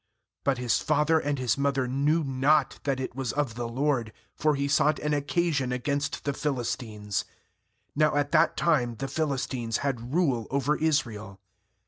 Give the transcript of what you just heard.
4But his father and his mother knew not that it was of the LORD; for he sought an occasion against the Philistines. Now at that time the Philistines had rule over Israel.